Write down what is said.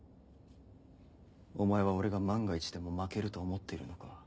お前は俺が万が一でも負けると思っているのか？